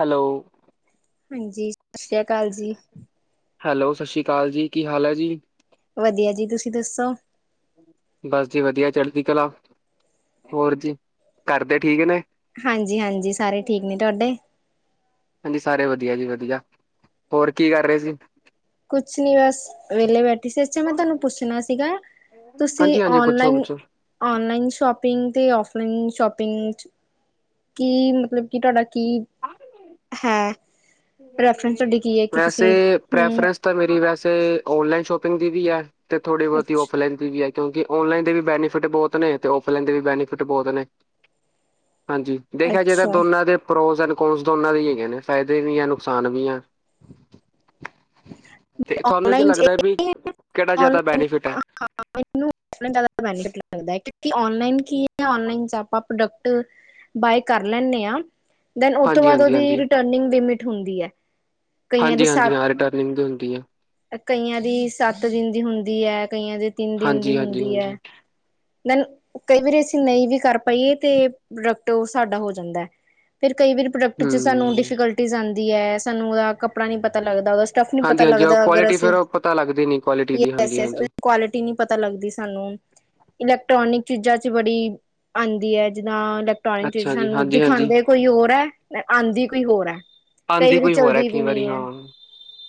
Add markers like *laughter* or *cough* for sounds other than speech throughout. Hello? ਹਾਂਜੀ, ਸਤਿ ਸ੍ਰੀ ਅਕਾਲ ਜੀ। ਹੈਲੋ, ਸਤਿ ਸ਼੍ਰੀ ਅਕਾਲ ਜੀ, ਕੀ ਹਾਲ ਹੈ ਜੀ? ਵਧੀਆ ਜੀ ਤੁਸੀਂ ਦੱਸੋ? ਬਸ ਜੀ ਵਧੀਆ ਚੜਦੀ ਕਲਾ, ਹੋਰ ਜੀ ਘਾਰਦੇ ਠੀਕ ਨੇ? ਹਾਂਜੀ- ਹਾਂਜੀ ਸਾਰੇ ਠੀਕ ਨੇ ਤੁਹਾਡੇ ਹਾਂਜੀ, ਸਾਰੇ ਵਧੀਆ ਜੀ, ਵਧੀਆ ਹੋਰ ਕੀ ਕਰ ਰਹੇ ਸੀ? ਕੁਛ ਨਈ, ਬਸ ਵਿਹਲੇ ਬੈਠ ਏ, ਚ ਮੈਂ ਤੁਹਾਨੂੰ ਪੁੱਛਣਾ ਸੀਗਾ, ਤੁਸੀਂ ਹਾਂਜੀ ਹਾਂਜੀ ਪੁੱਛੋ ਓਨਲਾਈਨ? ਪੁੱਛੋ ਔਨਲਾਈਨ ਸ਼ੋਪਿੰਗ, ਤੇ ਔਫਲਾਈਨ ਸ਼ੋਪਿੰਗ ਕੀ, ਮਤਲਬ ਕੀ ਤੁਹਾਡਾ ਕੀ ਹੈਂ। ਵੈਸੇ, ਹਮ ਪ੍ਰੈਫਰੈਂਸ ਤਾਂ ਮੇਰੀ ਵੈਸੇ, ਔਨਲਾਈਨ ਸ਼ੋਪਿੰਗ ਦੀ ਵੀ ਹੈ, ਤੇ ਥੋੜੀ ਬਹੁਤੀ ਅੱਛਾ ਔਫਲਾਈਨ। ਵੀ ਹੈ ਕਿਉਂਕਿ, ਔਨਲਾਈਨ ਦੇ ਵੀ ਬੈਨੀਫਿਟ ਬਹੁਤ ਨੇ, ਤੇ ਔਫਲਾਈਨ ਦੇ ਵੀ ਬੈਨੀਫਿਟ ਬਹੁਤ ਨੇ ਹਾਂਜੀ, ਦੇਖਿਆ ਜੇ ਤਾਂ ਅੱਛਾ, ਦੋਨਾਂ ਦੇ, ਪ੍ਰੋਸ ਐਡ ਕਸ ਦੋਨਾਂ ਦੇ ਹੈਗੇ, ਨੇ ਫਾਇਦਾ। ਦੇ, ਵੀ ਆ ਨੁਕਸਾਨ ਵੀ ਆ। ਤੇ ਤੁਹਾਨੂੰ, ਕੀ ਔਨਲਾਈਨ ਲੱਗਦਾ ਹੈ ਵੀ ਕਿਹੜਾ, ਜਿਆਦਾ ਬੈਨੀਫਿਟ ਹੈ। ਬ *inaudible* ਟ ਲਗਦਾ ਕਿਉ ਲਾਈਨ ਕੀ ਹੈਨ ਚ ਪ੍ਰੋਕ ਬਾਏ ਕਰ ਲੈਦੇ ਆ, ਦਨ ਉਹ ਤੋਂ ਹਾਂਜੀ, ਬਾਅਦ, ਹਾਂਜੀ, ਓਦੀ ਹਾਂਜੀ, ਰਿਟਰਨਿੰਗ ਲਮਿਟ ਹੁੰਦੀ ਆ। ਹਾਂਜੀ- ਹਾਂਜੀ ਹਾਂ ਰਿਟਰਨਿੰਗ ਵੀ ਹੁੰਦੀ ਆ। ਕਈਆਂ ਦੀ, ਸੱਤ ਦਿਨ ਦੀ ਹੁੰਦੀ ਹੈ, ਕਈਆਂ ਦੀ ਤਿੰਨ ਦਿਨ ਦੀ ਹਾਂਜੀ, ਹਾਂਜੀ, ਹੁੰਦੀ ਹੈ। ਹਾਂਜੀ ਦਨ ਕਈ ਵਾਰੀ, ਅਸੀਂ ਨਹੀਂ ਵੀ ਕਰ ਪਾਈਏ, ਤੇ ਪ੍ਰੋਡਕਟ ਸਾਡਾ ਹੋ ਜਾਂਦਾ। ਫਰ ਕਈ ਵਾਰੀ, ਪ੍ਰੋਡਕਟ ਚ ਸਾਨੂੰ ਹੂੰ। ਡਿਫੀਕਲਟੀਜ, ਆਉਂਦੀ ਹੈ। ਸਾਨੂੰ ਓਹਦਾ ਕਪੜਾ ਨਈ ਪਤਾ, ਲੱਗਦਾ ਓਦਾ ਸਟਫ ਨਈ, ਪਤਾ ਹਾਂਜੀ, ਹਾਂਜੀ ਉਹ ਲੱਗਦਾ ਅਗਰ ਕੁਆਲਿਟੀ ਅਸੀਂ ਫੇਰ ਉਹ ਪਤਾ ਲੱਗਦੀ ਨੀ ਕੁਆਲਿਟੀ ਦੀ ਹਾਂਜੀ, ਯਸ ਹਾਂਜੀ ਕੁਆਲਿਟੀ, ਨਹੀਂੀ ਪਤਾ ਲੱਗਦੀ ਸਾਨੂੰ ਇਲੈਕਟ੍ਰੋਨਿਕ, ਚੀਜ਼ਾਂ ਚ ਬੜੀ ਆਉਂਦੀ ਹੈ, ਜਿੱਦਾਂ ਇਲੈਕਟ੍ਰੋਨਿਕ ਚੀਜ਼ਾਂ, ਅੱਛਾ ਜੀ ਸਾਨੂੰ ਹਾਂਜੀ, ਹਾਂਜੀ। ਦਿਖਾਉਦੇ ਕੋਈ ਹੋਰ ਹੈ, ਆਉਂਦੀ ਕੋਈ ਹੋਰ ਹੈ, ਕਈ ਆਂਦੀ ਵਾਰੀ ਕੋਈ ਹੋਰ ਹੈ ਚੱਲਦੀ ਵੀ ਕਈ ਨਹੀਂ ਵਾਰੀ ਹਾਂ ਹੈਂ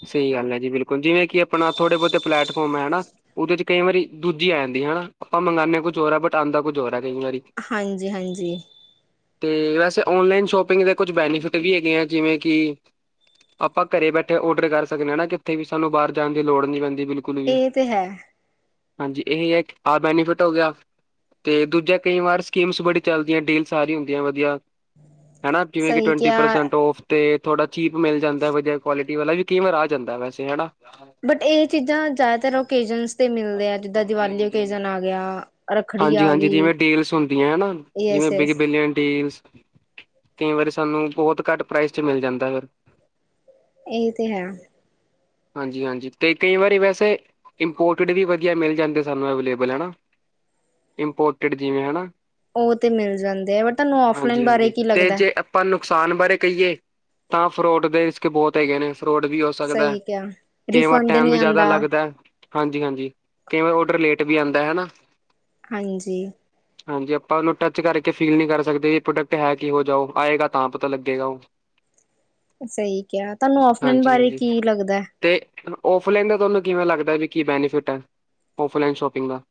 ਸਹੀ ਗੱਲ ਹੈ, ਜੀ ਬਿਲਕੁਲ ਜਿਵੇਂ ਕਿ ਆਪਣਾ ਥੋੜੇ -ਬਹੁਤੇ ਪਲੇਟਫੋਾਰਮ ਹੈ ਹਨਾ। ਉਹਦੇ ਚ, ਕਈ ਵਾਰੀ ਦੂਜੀ ਆ ਜਾਂਦੀ ਹੈ, ਆਪਾਂ ਮੰਗਾਉਂਦੇ ਕੁਝ ਹੋਰ ਹੈ ਬਟ ਆਦਾ ਕੁਝ ਜੋੋਰ ਹੈ ਕਈ ਵਾਰੀ। ਹਾਂਜੀ -ਹਾਂਜੀ ਅਤੇ ਵੈਸੇ, ਔਨਲਾਈਨ ਸ਼ੋਪਿੰਗ ਦੇ ਕੁਝ ਬੈਨੀਫਿਟ, ਵੀ ਹੈਗੇ ਆ, ਜਿਵੇਂ ਕਿ ਆਪਾਂ, ਘਰੇ ਬੈਠੇ ਔਡਰ ਕਰ ਸਕਦੇ ਹਾਂ, ਨਾ ਕਿੱਥੇ ਵੀ ਸਾਨੂੰ ਬਾਹਰ ਜਾਣ ਦੀ ਲੋੜ ਨੀ ਪੈਂਦੀ, ਬਿਲਕੁਲ। ੁਕੁਲ ਵੀ, ਇਹ ਤੇ ਹੈ। ਹਾਂਜੀ ਇਹ ਹੈ ਆ, ਬੈਨੀਫਿਟ ਹੋ ਗਿਆ। ਤੇ ਦੂਜਾ ਕਈ ਵਾਰ ਸਕੀਮਸ ਬੜੀ ਚੱਲਦੀਆਂ ਡੀਲ ਸਾਰੀ ਹੁੰਦੀਆਂ ਵਧੀਆ ਹੈਨਾ। ਕਿਵੇਂ ਕਿ, ਸਹੀ ਟਵਨਟੀ ਕਿਹਾ ਪਰਸੈਂਟ ਔਫ। ਤੇ ਥੋੜਾ ਚੀਪ ਮਿਲ ਜਾਂਦਾ, ਵਧੀਆ ਕੁਆਲਿਟੀ ਵਾਲਾ ਵੀ, ਕਈ ਵਾਰ ਆ ਜਾਂਦਾ ਵੈਸੇ ਹਨਾ। ਬਟ ਇਹ ਚੀਜ਼ਾਂ, ਜ਼ਿਆਦਾਤਰ ਓਕੇਜਨ ਤੇ ਮਿਲਦੇ ਆ ਜਿੱਦਾਂ ਦੀਵਾਲੀ, ਓਕੇਜਨ ਆ ਗਿਆ। ਰੱਖੜੀ ਹਾਂਜੀ ਆ -ਹਾਂਜੀ ਗਈ ਜਿਵੇਂ ਡੀਲਸ ਹੁੰਦੀਆਂ ਹਨਾ, ਜਿਵੇਂ ਯਸ-ਯਸ ਬਿਗ ਬਿਲੀਅਨ ਡੀਲਸ ਕਈ ਵਾਰੀ ਸਾਨੂੰ, ਬਹੁਤ ਘੱਟ ਪ੍ਰਾਈਸ ਚ ਮਿਲ ਜਾਂਦਾ ਫਿਰ। ਇਹ ਤੇ ਹੈ। ਹਾਂਜੀ -ਹਾਂਜੀ ਤੇ ਕਈ ਵਾਰੀ ਵੈਸੇ ਇੰਪੋਰਟਡ ਵੀ, ਵਧੀਆ ਮਿਲ ਜਾਂਦੇ ਸਾਨੂੰ ਅਵੇਲੇਬਲ ਹਨਾ। ਇੰਪੋਰਟਿਡ ਜਿਵੇਂ ਹਨਾ? ਉਹ ਤੇ ਮਿਲ ਜਾਂਦੇ ਆ, ਬਾਕੀ ਤੁਹਾਨੂੰ ਔਫਲਈਨ, ਬਾਰੇ ਹਾਂਜੀ-ਹਾਂਜੀ ਕੀ ਤੇ ਲੱਗਦਾ। ਜੇ ਆਪਾਂ, ਨੁਕਸਾਨ ਬਾਰੇ ਕਹੀਏ ਤਾਂ, ਫਰੋਡ ਦੇ ਰਿਸ ਕੇ ਬਹੁਤ ਹੈਗੇ ਨੇ ਫਰੋਡ ਵੀ ਉਸ ਸਕਦਾ ਸਹੀ ਕਿਹਾ ਕਿਵਾਂ ਰਿਫੰਡ ਟਾਈਮ ਨੀ ਵੀ ਜਿਆਦਾ ਆਂਦਾ ਲੱਗਦਾ। ਹਾਂਜੀ- ਹਾਂਜੀ ਕਈ ਵਾਰ ਔਡਰ ਲੇਟ ਵੀ ਆਦਾ ਹਨਾ। ਹਾਂਜੀ। *inaudible* ਹਾਂਜੀ, ਆਪਾਂ ਉਹਨੂੰ ਟੱਚ ਕਰਕੇ ਫੀਲ ਨਹੀਂ ਕਰ ਸਕਦੇ, ਵੀ ਪ੍ਰੋਡਕਟ ਹੈ ਕੀ ਜਾਓ ਆਏਗਾ ਤਾਂ ਪਤਾ ਲੱਗੇਗਾ ਉਹ *unintelligible* ਸਹੀ ਕਿਹਾ ਤੁਹਾਨੂੰ ਓਫਲਾਈਨ ਬਾਰੇ ਕੀ ਲੱਗਦਾ ਅਤੇ ਔਫਲਾਈਨ ਦਾ ਤੁਹਾਨੂੰ ਕਿਵੇਂ ਲੱਗਦਾ ਵੀ ਕੀ ਬੈਨੀਫਿਟ ਹੈ ਔਫਲਾਈਨ ਸ਼ੋਪਿੰਗ ਦਾ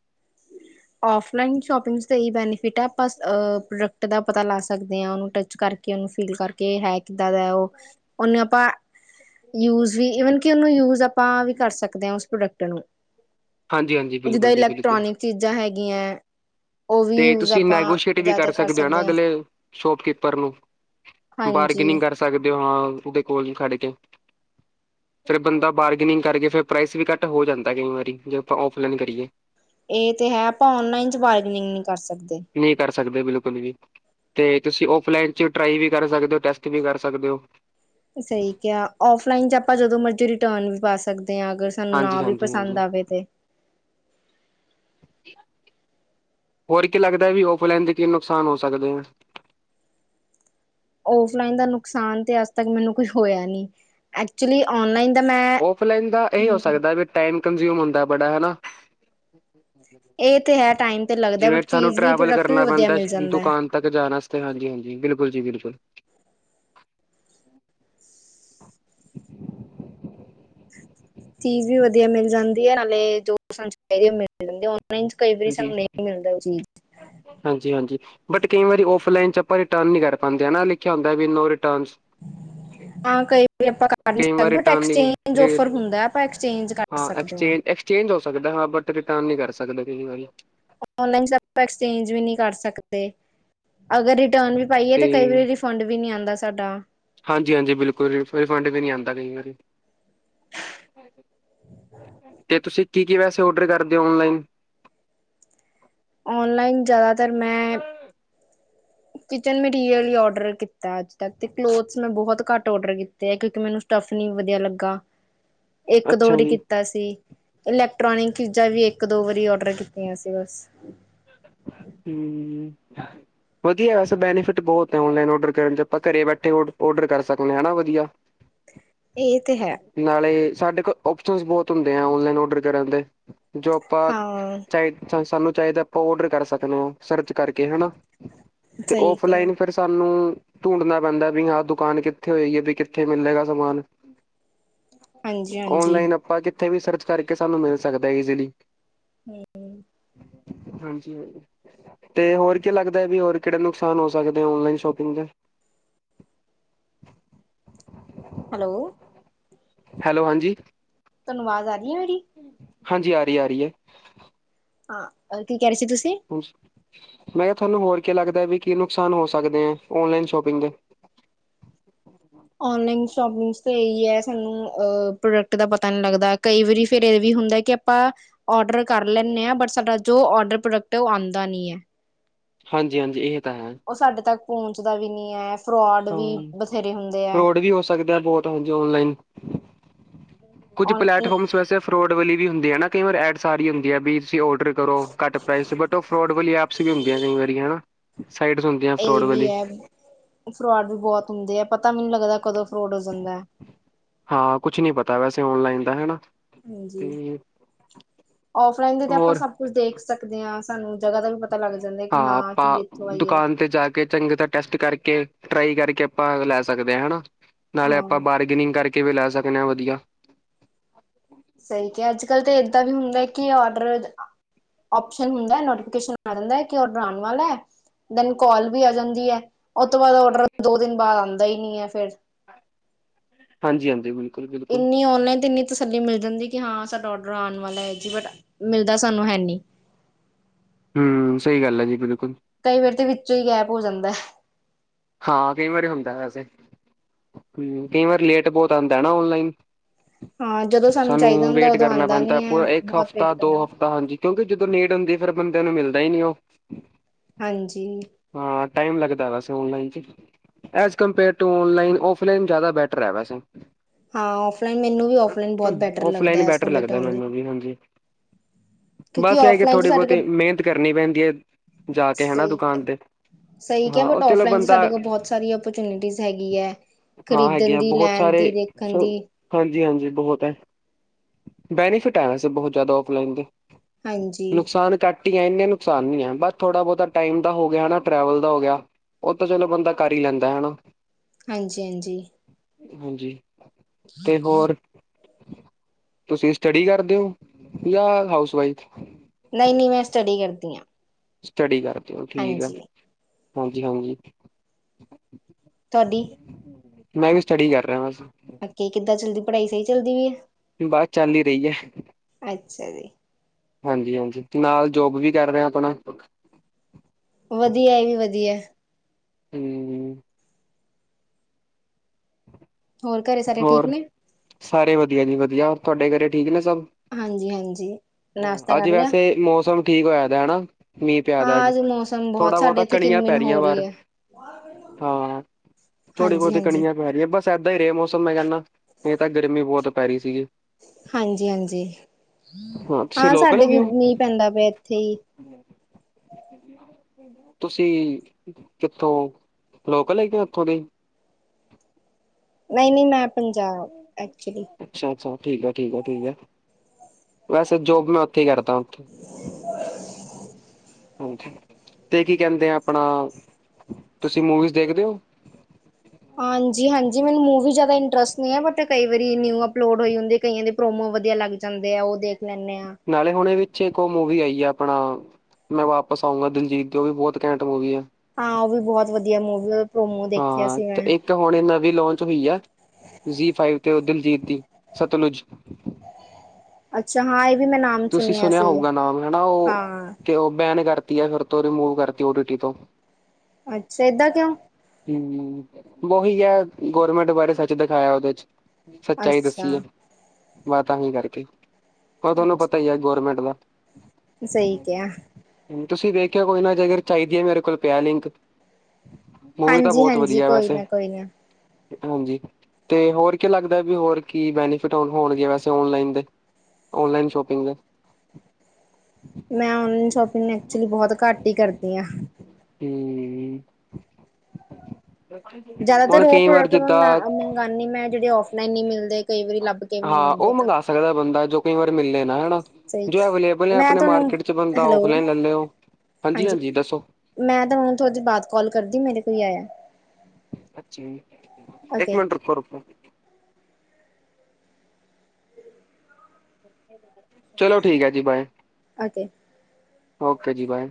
ਫਲਾਈਨ ਸ਼ੋਪਿੰਗ ਤਾਂ ਇਹੀ ਬੈਨੀਫਿਟ ਹੈ ਆਪ ਪ੍ਰੋਕਟ ਪ੍ਰੋਡਕਟ ਦਾ ਪਤਾ ਲਾ ਸਕਦੇ ਆ ਉਹ ਓਨੂੰ ਟੱਚ ਕਰਕੇ ਉਹਨੂੰ ਫੀਲ ਕਰਕੇ ਹੈ ਕਿੱਦਾਂ ਦਾ ਉਹ ਉਹਨੂੰ ਆਪਾਂ ਯੂਜ ਵੀ ਵਨ ਕਿ ਉਹਨੂੰ ਯੂਜ ਆਪਾਂ ਵੀ ਕਰ ਸਕਦੇ ਹਾਂ ਉਸ ਪ੍ਰੋਡਕਟ ਨੂੰ ਹਾਂਜੀ ਹਾਂਜੀ ਜਿੱਦਾਂ ਬਿਲਕੁਲ ਜੀ ਬਿਲਕੁਲ ਇਲੈਕਟ੍ਰੋਨਿਕ ਚੀਜ਼ਾਂ ਹੈਗੀਆਂ ਉਹ ਵੀ ਤੇ ਯੂਜ ਤੁਸੀਂ ਆਪਾਂ ਨੈਗੋਸ਼ੀਏਟ ਵੀ ਕਰ ਜ਼ਿਆਦਾਤਰ ਸਕਦੇ ਹੋ ਨਾ ਹਾਂ ਅਗਲੇ ਸ਼ੋਪਕੀਪਰ ਨੂੰ ਹਾਂਜੀ ਬਾਰਗੇਨਿੰਗ ਕਰ ਸਕਦੇ ਹੋ ਹਾਂ ਉਹਦੇ ਕੋਲ ਵੀ ਖੜ ਕੇ ਫੇਰ ਬੰਦਾ ਬਾਰਗਨਿੰਗ ਕਰਕੇ ਫੇਰ ਪ੍ਰਾਈਸ ਵੀ ਘੱਟ ਹੋ ਜਾਂਦਾ ਕਈ ਵਾਰੀ ਜੇ ਆਪਾਂ ਔਫਲਾਈਨ ਕਰੀਏ ਇਹ ਤੇ ਹੈ ਆਪਾਂ ਔਨਲਾਈਨ ਚ ਬਾਰਗਨਿੰਗ ਨਹੀਂ ਕਰ ਸਕਦੇ ਨਹੀਂ ਕਰ ਸਕਦੇ ਬਿਲਕੁਲ ਵੀ ਤੇ ਤੁਸੀਂ ਆਫਲਾਈਨ ਚ ਟ੍ਰਈ ਵੀ ਕਰ ਸਕਦੇ ਹੋ ਟੈਸਟ ਵੀ ਕਰ ਸਕਦੇ ਹੋ ਸਹੀ ਕਿਹਾ ਆ ਔਫਲਾਈਨ ਚ ਆਪਾਂ ਜਦੋਂ ਮਰਜ਼ੀ ਰਿਟਰਨ ਵੀ ਪਾ ਸਕਦੇ ਹਾਂ ਅਗਰ ਸਾਨੂੰ ਹਾਂਜੀ ਨਾ ਵੀ ਹਾਂਜੀ ਪਸੰਦ ਹਾਂਜੀ ਆਵੇ ਤੇ ਹੋਰ ਕੀ ਲੱਗਦਾ ਵੀ ਔਫਲਾਈਨ ਦੇ ਕੀ ਨੁਕਸਾਨ ਹੋ ਸਕਦੇ ਆ ਫਲਾਈਨ ਦਾ ਨੁਕਸਾਨ ਤੇ ਅੱਜ ਤੱਕ ਮੈਨੂੰ ਕੋਈ ਹੋਇਆ ਨ ਐਕਚੁਲੀ ਔਨਲਾਈਨ ਦਾ ਮੈਂ ਔਫਲਾਈਨ ਦਾ ਇਹ ਹੋ ਸਕਦਾ ਵੀ ਟਾਈਮ ਕੰਜਿਊਮ ਹੁੰਦਾ ਬੜਾ ਹਨਾ ਇਹ ਤੇ ਹੈ ਟਾਈਮ ਤੇ ਲੱਗਦਾ ਜਿਵੇਂ ਬਟ ਸਾਨੂੰ ਚੀਜ਼ ਵੀ ਟਰੈਵਲ ਪ੍ਰੋਡਕਟ ਵੀ ਕਰਨਾ ਵਧੀਆ ਪੈਂਦਾ ਮਿਲ ਜਾਂਦਾ ਹੈ। ਦੁਕਾਨ ਤੱਕ ਜਾਣ ਵਾਤੇ ਹਾਂਜੀ ਹਾਂਜੀ ਬਿਲਕੁਲ ਜੀ ਬਿਲਕੁਲ ਚੀਜ਼ ਵੀ ਵਧੀਆ ਮਿਲ ਜਾਂਦੀ ਹੈ ਨਾਲੇ ਜੌ ਸਾਨੂੰ ਚਾਹੀਦੀ ਹੈ ਮਿਲ ਜਾਂਦੀ ਔਨਲਾਈਨ ਕਈ ਵਾਰੀ ਹਾਂਜੀ ਸਾਨੂੰ ਨਹੀਂ ਮਿਲਦਾ ਉਹ ਚੀਜ਼ ਹਾਂਜੀ ਹਾਂਜੀ ਬਟ ਕਈ ਵਾਰੀ ਆਫਲਾਈਨ ਚ ਆਪਾ ਰਿਟਨ ਨਈ ਕਰ ਪਾਂਦੇ ਹਨਾ ਲਿਖਿਆ ਹੁੰਦਾ ਵਈ ਨੋ ਰਿਟਨਸ ਹਾਂ ਕਈ ਆਪਾਂ ਕਰ ਨੀ ਸਕਦੇ ਐਕਸਚੇਂਜ ਔਫਰ ਨਹੀਂ ਹੁੰਦਾ ਆਪਾਂ ਐਕਸਚੇਂਜ ਕਰ ਸਕਦੇ ਹਾਂ ਚੇਂਜ ਹੋ ਸਕਦਾ ਬਟ ਰਿਟਰਨ ਨਹੀਂ ਕਰ ਸਕਦੇ ਕਈ ਵਾਰੀ ਓੰਨ ਲਾਈਨ ਐਕਸਚੇਂਜ ਵੀ ਨਹੀਂ ਕਰ ਸਕਦੇ ਅਗਰ ਰਿਟਰਨ ਵੀ ਪਾਈਏ ਤੇ ਕਈ ਵਾਰੀ ਫੰਡ ਵੀ ਨਹੀਂ ਆਦਾ ਸਾਡਾ ਹਾਂਜੀ- ਹਾਂਜੀ ਬਿਲਕੁਲ ਰਿਫੰਡ ਵੀ ਨਈ ਆਦਾ ਕਈ ਵਾਰੀ ਤੇ ਤੁਸੀਂ ਕੀ ਕੀ ਵੈਸੇ ਔਡਰ ਕਰਦੇ ਹੋ ਓਨਲਾਈਨ ਔਨਲਾਈਨ ਜ਼ਿਆਦਾਤਰ ਮੈਂ ਅੱ ਕਿਚਨ ਮੈਂ ਰੀਅਲੀ ਔਡਰ ਕੀਤਾ ਅੱਜ ਤੱਕ ਤੇ ਕਲੋਥਸ ਮੈਂ ਬਹੁਤ ਘੱਟ ਔਡਰ ਕੀਤੇ ਹੈ ਕਿਉਂਕਿ ਮੈਨੂੰ ਸਟਫ ਨੀ ਵਧੀਆ ਲੱਗਾ ਇੱਕ ਦੋ ਅੱਛਾ ਵਾਰੀ ਜੀ ਕੀਤਾ ਸੀ ਇਲੈਕਟ੍ਰੋਨਿਕ ਚੀਜ਼ਾਂ ਵੀ ਇੱਕ ਦੋ ਵਾਰੀ ਔਡਰ ਕੀਤੀਆਂ ਸੀ ਬਸ ਹਮ ਵਧੀਆ ਵੈਸ ਬੈਨੀਫਿਟ ਬਹੁਤ ਔਨਲਾਈਨ ਔਡਰ ਕਰਨ ਚ ਆਪਾਂ ਘਰੇ ਬੈਠੇ ਔਡਰ ਕਰ ਸਕਦੇ ਹ ਹਨਾ ਵਧੀਆ ਇਹ ਤੇ ਹੈ ਨਾਲੇ ਸਾਡੇ ਕੋਲ ਓਪਸ਼ਨਸ ਬਹੁਤ ਹੁੰਦੇ ਆ ਔਨਲਾਈਨ ਔਡਰ ਕਰਨ ਦੇ ਜੋ ਆਪਾਂ ਹਾਂ ਚਾਹੀ ਸਾਨੂੰ ਚਾਹੀਦਾ ਓਡਰ ਕਰ ਸਕਦੇ ਹੋ ਸਰਚ ਕਰਕੇ ਹਨਾ ਤੇ ਸਹੀ ਕਿਹਾ ਫਲਾਈਨ ਫਿਰ ਸਾਨੂੰ ਢੂੰਡਣਾ ਪੈਂਦਾ ਵੀ ਹਾਂ ਦੁਕਾਨ ਕਿੱਥੇ ਹੋਏਗੀ ਵੀ ਕਿੱਥੇ ਮਿਲੇਗਾ ਸਮਾਨ ਹਾਂਜੀ ਹਾਂਜੀ ਓਨਲਾਈਨ ਆਪਾਂ ਕਿੱਥੇ ਵੀ ਸਰਚ ਕਰਕੇ ਸਾਨੂੰ ਮਿਲ ਸਕਦਾ ਈਜ਼ੀਲੀ ਹਮ ਹਾਂਜੀ ਹਾਂ ਤੇ ਹੋਰ ਕੀ ਲੱਗਦਾ ਵੀ ਹੋਰ ਕਿਹੜੇ ਨੁਕਸਾਨ ਹੋ ਸਕਦੇ ਔਨਲਾਈਨ ਸ਼ੋਪਿੰਗ ਦਾ ਹੈਲੋ ਹੈਲੋ ਹਾਂਜੀ ਤੁਹਾਨੂੰ ਆਵਾਜ਼ ਆ ਰਹੀ ਹੈ ਮੇਰੀ ਹਾਂਜੀ ਆ ਰਹੀ ਆ ਰਹੀ ਹੈ। ਹਾਂ ਕੀ ਕਹਿ ਰਹੇ ਸੀ ਤੁਸੀਂ ਮੈਂ ਕਿਹਾ ਤੁਹਾਨੂੰ ਹੋਰ ਕੀ ਲੱਗਦਾ ਵੀ ਕੀ ਨੁਕਸਾਨ ਹੋ ਸਕਦੇ ਆ ਓਨਲਾਈਨ ਸ਼ੋਪਿੰਗ ਦੇ ਔਨਲਾਈਨ ਸ਼ੋਪਿੰਗਸ ਤਾਂ ਇਹੀ ਹੈ ਸਾਨੂੰ ਅਹ ਪ੍ਰੋਡਕਟ ਦਾ ਪਤਾ ਨਈ ਲੱਗਦਾ ਕਈ ਵਾਰੀ ਫਿਰ ਇਹ ਵੀ ਹੁੰਦਾ ਕਿ ਆਪਾਂ ਔਡਰ ਕਰ ਲੈਂਦੇ ਹਾਂ ਬਟ ਸਾਡਾ ਜੋ ਔਡਰ ਪ੍ਰੋਡਕਟ ਹੈ ਉਹ ਆਉਂਦਾ ਨੀ ਹੈ ਹਾਂਜੀ- ਹਾਂਜੀ ਇਹ ਤਾਂ ਹੈ। ਉਹ ਸਾਡੇ ਤੱਕ ਪਹੁੰਚਦਾ ਵੀ ਨੀ ਹੈ। ਫਰੋਡ ਵੀ ਹਾਂ ਬਥੇਰੇ ਹੁੰਦੇ ਹੈ ਫਰੋਡ ਵੀ ਹੋ ਸਕਦਾ ਬਹੁਤ ਜੋ ਔਨਲਾਈਨ ਕੁੱਝਛ ਪਲੇੈਟਫਾਰਮਸ ਵੈਸੇ ਫਰੋਡ ਵਾਲੀ ਵੀ ਹੁੰਦੀ ਆ ਨਾ ਕਈ ਵਾਰ ਐਡ ਸਾਰੀ ਹੁੰਦੀ ਹੈ ਵੀ ਤੁਸੀਂ ਔਡਰ ਕਰੋ ਘੱਟ ਪ੍ਰਾਈਸ ' ਬਟ ਉਹ ਫਰੋਡ ਵਾਲੀ ਐਪਸ ਵੀ ਹੁੰਦੀਆਂ ਕਈ ਵਾਰੀ ਹੈ ਨਾ ਸਾਈਟਸ ਹੁੰਦੀਆਂ ਫਰੋਡ ਇਹ ਵੀ ਵਾਲੀ ਹੈ ਫਰੋਡ ਵੀ ਬਹੁਤ ਹੁੰਦੇ ਹੈ ਪਤਾ ਮੈਨੂੰ ਲੱਗਦਾ ਕਦੋਂ ਫਰੋਡ ਹੋ ਜਾਂਦਾ ਹੈ ਹਾਂ ਕੁਛ ਨਈ ਪਤਾ ਵੈਸੇ ਔਨਲਾਈਨ ਦਾ ਹੈ ਨਾ ਹਾਂਜੀ ਤੇ ਔਫਲਾਈਨ ਦੇ ਤੇ ਆਪਾਂ ਹੋਰ ਸਭ ਕੁਝ ਦੇਖ ਸਕ ਦੇਖਦੇ ਹਾਂ ਸਾਨੂੰ ਜਗ੍ਹਾ ਦਾ ਵੀ ਪਤਾ ਲੱਗ ਜਾਂਦਾ ਕਿ ਹਾਂ ਚੀਜ਼ ਇੱਥੋਂ ਆਈ ਹੈ ਚੰਗੀ ਤਰਾ ਟੈਸਟ ਕਰਕੇ ਟ੍ਰਈ ਕਰਕੇ ਆਪਾਂ ਲੈ ਸਕਦੇ ਹਾਂ ਹਨਾ ਨਾਲੇ ਆਪਾਂ ਹਾਂ ਬਾਹਰ ਬਾਰਗਿੰਗ ਕਰਕੇ ਵੀ ਲੈ ਸਕਦੇ ਹਾਂ ਵਧੀਆ ਸਹੀ ਕਿਹਾ ਅੱਜ ਕੱਲ੍ਹ ਤੇ ਏਦਾਂ ਵੀ ਹੁੰਦਾ ਹੈ ਕਿ ਔਡਰ ਓਪਸ਼ਨ ਹੁੰਦਾ ਨੋਫਿਕੇ ਆ ਜਾਂਦਾ ਕਿ ਡਰ ਆਉਣ ਵਾਲਾ ਹੈ ਉਧਰੋਂ ਕਾਲ ਵੀ ਆ ਜਾਂਦੀ ਹੈ ਉਹ ਤੋਂ ਬਾਅਦ ਡਰ ਦੋ ਦਿਨ ਬਾਅਦ ਆਉਂਦਾ ਹੀ ਨ ਹੈ ਫੇਰ ਹਾਂਜੀ ਹਾਂਜੀ ਬਿਲੁ ਇੰਨੀ ਓਨੇ ਤੇ ਇੰਨੀ ਤਸੱਲੀ ਮਿਲ ਜਾਂਦੀ ਕਿ ਹਾਂ ਸਾਡਾ ਔਡਰ ਆਉਣ ਵਾਲਾ ਹੈ ਜੀ ਬਟ ਮਿਲਦਾ ਸਾਨੂੰ ਹੈਨੀ ਹਮ ਸਹੀ ਗੱਲ ਹੈ ਜੀ ਬਿਲਕੁਲ ਕਈ ਵਾਰ ਤੇ ਵਿੱਚੋਂ ਹੀ ਗੈਪ ਹੋ ਜਾਂਦਾ ਹੈ ਹਾਂ ਕਈ ਵਾਰੀ ਹੁੰਦਾ ਵੈਸੇ ਹਮ ਕਈ ਵਾਰੀ ਲੇਟ ਬਹੁਤ ਆਉਂਦਾ ਨਾ ਓਨਲਾਈਨ ਹਾਂ ਜਦੋਂ ਚਾਹੀਦਾ ਸਾਨੂੰ ਹੁੰਦਾ ਵੇਟ ਉਦੋਂ ਕਰਨਾ ਆਂਦਾ ਪੈਂਦਾ ਨੀ ਹੈ ਪੂਰਾ ਇੱਕ ਬਹੁਤ ਹਫਤਾ ਵੇਟ ਦੋ ਕਰਨਾ ਹਫ਼ਤਾ ਹਾਂਜੀ ਕਿਉਂਕਿ ਜਦੋਂ ਨੀਟ ਹੁੰਦੀ ਫੇਰ ਬੰਦਿਆਂ ਨੂੰ ਮਿਲਦਾ ਹੀ ਨਹੀਂ ਉਹ ਹਾਂਜੀ ਹਾਂ ਟਾਈਮ ਲੱਗਦਾ ਵੈਸੇ online as compare to online offline ਜ਼ਿਆਦਾ ਬੈਟਰ ਹੈ ਵੈਸੇ ਹਾਂ ਔਫਲਾਈਨ ਮੈਨੂੰ ਵੀ ਔਫਲਾਈਨ ਬਹੁਤ ਬੈਟਰ ਲੱਗਦਾ offline as better compare to ਲੱਗਦਾ ਔਨਲਾਈਨ ਮੈਨੂੰ ਵੀ ਹਾਂਜੀ ਕਿਉਂਕਿ ਬਸ ਇਹ ਕਿ ਔਫਲਾਈਨ ਚ ਥੋੜੀ ਸਾਡੇ ਬਹੁਤੀ ਕੋਲ ਮਿਹਨਤ ਕਰਨੀ ਪੈਂਦੀ ਹੈ ਜਾ ਕੇ ਹੈਾ ਸਹੀ ਦੁਕਾਨ ਤੇ ਸਹੀ ਕੇਹਾ ਹਾਂ ਹੈ ਬਟ ਉਹ ਚਲੋ ਔਫਲਾਨ ਚ ਬੰਦਾ ਸਾਡੇ ਕੋਲ ਬਹੁਤ ਸਾਰੀ ਓਪਰਚੁਨਿਟੀਜ਼ ਹੈਗੀ ਹੈ ਖਰੀਦਣ ਦੀ ਲੈਣ ਦੀ ਸ ਦੀ ਹਾਂਜੀ- ਹਾਂਜੀ ਬਹੁਤ ਹੈ ਬੈਨੀਫਿਟ ਹੈ ਵਸੇ ਬਹੁਤ ਜ਼ਿਆਦਾ ਔਫਲਾਈਨ ਤੇ ਹਾਂਜੀ। ਨੁਕਸਾਨ ਕਟ ਇਨੇ ਨੁਕਸਾਨ ਵੀ ਨੀ ਹੈ ਬਸ ਥੋੜਾ ਬਹੁਤਾ ਟਾਈਮ ਹੋ ਗਿਆ ਟਰੈਵਲ ਦਾ ਹੋ ਗਿਆ ਉਹ ਤਾਂ ਚਲੋ ਬੰਦਾ ਕਰ ਹੀ ਲੈਂਦਾ ਹਨਾ ਹਾਂਜੀ ਹਾਂਜੀ ਹਾਂਜੀ ਤੇ ਹੋਰ ਤੁਸੀਂ ਸਟੱਡੀ ਕਰਦੇ ਹੋ ਜਾਂ ਹਾਊਸ ਵਾਈਫ ਨਈ- ਨਈ ਮੈਂ ਸਟੱਡੀ ਕਰਦੀ ਹਾਂ ਸਟੱਡੀ ਕਰਦੇ ਹੋ ਠੀਕ ਆ ਹਾਂਜੀ ਹਾਂਜੀ- ਹਾਂਜੀ ਤੁਹਾਡੀ ਮੈਂ ਵੀ ਸਟੱਡੀ ਕਰ ਰਿਹਾ ਬਸ ਅ ਕਿੱਦਾਂ ਚੱਲਦੀ ਪੜ੍ਹਾਈ ਸਹੀ ਚੱਲਦੀ ਵੀ ਹੈ ਬਸ ਚੱਲਦੀ ਰਹੀ ਹੈ। ਅੱਛਾ ਜੀ। ਹਾਂਜੀ ਹਾਂਜੀ ਨਾਲ ਜੋਬ ਵੀ ਕਰ ਰਿਹਾ ਅਪਣਾ ਵਧੀਆ ਇਹ ਵੀ ਵਧੀਆ ਹੂੰ। ਹੋਰ ਘਰੇ ਸਾਰੇ ਠੀਕ ਹੋਰ ਨੇ। ਸਾਰੇ ਵਧੀਆ ਜੀ ਵਧੀਆ ਤੁਹਾਡੇ ਘਰੇ ਠੀਕ ਨੇ ਸਭ। ਹਾਂਜੀ ਹਾਂਜੀ, ਨਾਸ਼ਤਾ ਅੱਜ ਕਰ ਲਿਆ ਵੈਸੇ ਮੌਸਮ ਠੀਕ ਹੋਇਆ ਹਨਾ ਮੀਂਹ ਪਿਆਦਾ ਹਾਂ ਅੱਜ ਮੌਸਮ ਬਹੁਤ ਥੋੜਾ ਸਾਡੇ ਬਹੁਤਾ ਇੱਥੇ ਕਣੀਆਂ ਪੈ ਕਿਨਮਿਨ ਹੋ ਰਹੀਆਂ ਬਾਹਰ ਰਹੀ ਹੈ ਹਾਂ ਥੋੜੇ ਹਾਂਜੀ ਬਹੁਤੇ ਹਾਂਜੀ ਕਣੀਆਂ। ਪੈ ਰਹੀਆਂ ਬਸ ਏਦਾਂ ਹੀ ਰਹਾ ਮੌਸਮ ਮੈਂ ਕਹਿੰਦਾ ਨਹੀਂ ਤਾਂ ਗਰਮੀ ਬਹੁਤ ਪੈ ਰਹੀ ਸੀਗੀ। ਹਾਂਜੀ ਹਾਂਜੀ, ਹਾਂ ਸਾਡੇ ਵੀ ਨੀ ਪੈਂਦਾ ਪਿਆ ਇੱਥੇ ਹੀ। ਹੂੰ, ਤੁਸੀਂ ਕਿੱਥੋਂ ਲੋਕਲ ਹੈਗੇ ਓ ਉੱਥੋਂ ਦੇ। ਨਹੀਂ ਨਹੀਂ, ਮੈਂ ਪੰਜਾਬ ਐਚੁੱਲੀ ਅੱਛਾ ਅੱਛਾ, ਠੀਕ ਆ ਠੀਕ ਆ, ਠੀਕ ਆ। ਵੈਸੇ ਜੋਬ ਮੈਂ ਉੱਥੇ ਹੀ ਕਰਦਾ। ਹਾਂਜੀ ਤੇ ਕੀ ਕਹਿੰਦੇ ਆ ਆਪਣਾ ਤੁਸੀਂ ਮੂਵੀਜ਼ ਦੇਖਦੇ ਹੋ। ਹਾਂਜੀ ਹਾਂਜੀ, ਮੈਨੂੰ ਮੂਵੀ ਜ਼ਿਆਦਾ ਇੰਟਰਸਟ ਨਹੀਂ ਹੈ ਬਟ ਕਈ ਵਾਰੀ ਨਿਊ ਅਪਲੋਡ ਹੋਈ ਹੁੰਦੇ ਕਈਆਂ ਦੇ। ਪ੍ਰੋਮੋ ਵਧੀਆ ਲੱਗ ਜਾਂਦੇ ਆ ਉਹ ਦੇਖ ਲੈਂਦੇ ਆ। ਨਾਲੇ ਹੁਣੇ ਵਿੱਚ ਇੱਕ ਉਹ ਮੂਵੀ ਆਈ ਆ ਆਪਣਾ ਮੈਂ ਵਾਪਸ ਆਊਂਗਾ ਦਿੱਲ੍ਹੀ ਉਹ ਵੀ ਬਹੁਤ ਘੈਂੰਟ ਮੂਵੀ ਐ। ਹਾਂ, ਉਹ ਵੀ ਬਹੁਤ ਵਧੀਆ ਮੂਵੀ ਪ੍ਰੋਮੋ ਦੇਖਿਆ ਸੀ ਹਾਂ ਮੈਂ ਇੱਕ ਹੁਣ ਇਹ ਨਵੀਂ ਲਾਂਚ ਹੋਈ ਆ ਜੀ ਫਾਈਵ ਤੇ ਦਿਲਜੀਤ ਦੀ ਸਤਲੁਜ ਅੱਛਾ ਹਾਂ ਇਹ ਵੀ ਮੈਂ ਨਾਮ ਤੁਸੀਂ ਸੁਣਿਆ ਹੋਊਗਾ ਨਾਮ ਹਨਾ ਉਹ ਹਾਂ ਤੇ ਉਹ ਬੈਨ ਕਰਤੀ ਆ ਫਿਰ ਤੋਂ ਰਿਮੂਵ ਕਰਤੀ ਓਟੀ ਟੀ ਤੋਂ ਅੱਛਾ ਏਦਾਂ ਕਿਉਂ। ਹੂੰ, ਉਹੀ ਆ ਗੌਰਮੈਂਟ ਬਾਰੇ ਸੱਚ ਦਿਖਾਇਆ ਉਹਦੇ ਚ। ਸੱਚਾਈ ਅੱਛਾ ਦੱਸੀ ਆ ਬਾ ਤਾਂਹੀ ਕਰਕੇ ਹੋਰ ਤੁਹਾਨੂੰ ਪਤਾ ਅੱਛਾ *unintelligible* ਗੌਰਮੈਂਟ ਦਾ ਸਹੀ ਕਿਹਾ ਤੁਸੀਂ ਵੇਖਿਆ ਕੋਈ ਨਾ ਜੇਕਰ ਚਾਹੀਦੀ ਏ, ਮੇਰੇ ਕੋਲ ਪਿਆ ਲਿੰਕ। ਮੂਵੀ ਤਾਂ ਹਾਂਜੀ ਬਹੁਤ ਹਾਂਜੀ ਵਧੀਆ ਕੋਈ ਵੈਸੇ। ਨਾ ਕੋਈ ਨਾ ਹਾਂਜੀ, ਤੇ ਹੋਰ ਕੀ ਲੱਗਦਾ ਵੀ ਹੋਰ ਕੀ ਬੈਨੀਫਿਟ ਹੋਣਗੇ ਵੈਸੇ ਓਨਲਾਈਨ ਦੇ। ਔਨਲਾਈਨ ਸ਼ੋਪਿੰਗ ਦਾ। ਮੈਂ ਔਨਲਾਈਨ ਸ਼ੋਪਿੰਗ ਐਕਚੁਲੀ ਬਹੁਤ ਘੱਟ ਹੀ ਕਰਦੀ ਹਾਂ। ਹੂੰ, ਹੁਣ ਕਈ ਵਾਰ ਜਿੱਦਾਂ ਰਨੀ ਮੈਂ ਜਿਹੜੇ ਔਫਲਾਈਨ ਨੀ ਮਿਲਦੇ। ਕਈ ਵਾਰੀ ਲੱਭ ਕੇ ਵੀ ਨਹੀਂ ਹਾਂ ਮਿਲਦੇ ਉਹ ਤਾਂ ਮੰਗ ਸਕਦਾ ਬੰਦਾ ਜੋ ਕਈ ਵਾਰ ਮਿਲੇ ਨਾ ਸਹੀ ਜੋ ਅਵੇਲੇਲ ਮੈਂ ਆਪਣੇ ਤੁਹਾਨੂੰ ਮਾਰਕੀਟ ਚ ਬੰਦਾ ਹੈਲੋ ਆਫਲਾਈਨ ਲੈ ਲਏ ਓ। ਹਾਂਜੀ ਹਾਂਜੀ ਦੱਸੋ। ਮੈਂ ਤਾਂ ਹੁਣ ਥੋੜ੍ਹੀ ਦੇਰ ਬਾਅਦ ਕੋਲ ਕਰਦੀ ਮੇਰੇ ਕੋਲ ਕੋਈ ਆਇਆ। ਅੱਛਾ ਇੱਕ ਓਕੇ ਮਿੰਟ ਰੁਕੋ ਰੁਕੋ *inaudible* ਚਲੋ ਠੀਕ ਐ ਜੀ ਬਾਏ। ਓਕੇ। ਓਕੇ ਜੀ ਬਾਏ।